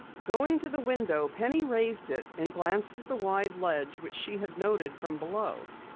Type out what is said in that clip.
Going to the window, Penny raised it and gazed at the wide ledge which she had noted from below.